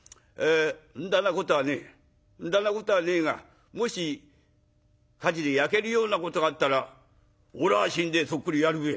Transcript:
んだなことはねえんだなことはねえがもし火事で焼けるようなことがあったらおらの身代そっくりやるべえ。